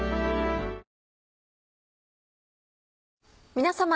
皆さま。